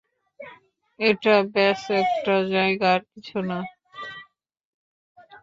এটা ব্যস একটা কাজ, আর কিছু না।